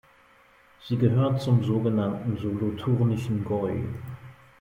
Sie gehört zum sogenannten Solothurnischen Gäu.